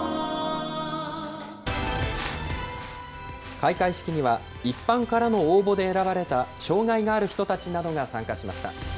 開会式には、一般からの応募で選ばれた障害がある人たちなどが参加しました。